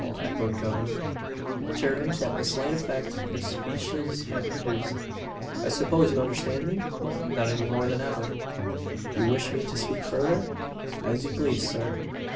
echoed Calhoun, chagrined at the slight effect his speeches had produced; "I suppose you understand me?" "Not any more than ever." "You wish me to speak further?" "As you please, sir."